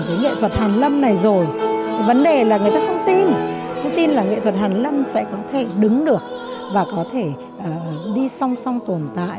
không tin là nghệ thuật hàn lâm sẽ có thể đứng được và có thể đi song song tồn tại